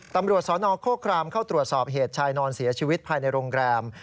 ตำรวจสนโคครามเข้าตรวจสอบเหตุชายนอนเสียชีวิตภายในโรงแรม